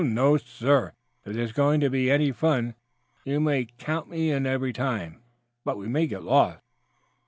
"No, sir! If there is going to be any fun you may count me in every time. But we may get lost."